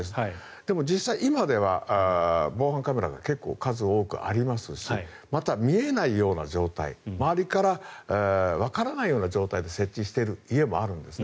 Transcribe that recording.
でも、実際に今では防犯カメラが結構数多くありますしまた、見えないような状態周りからわからないような状態で設置している家もあるんですね。